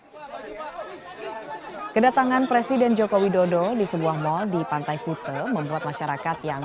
hai kedatangan presiden jokowi dodo di sebuah mall di pantai hute membuat masyarakat yang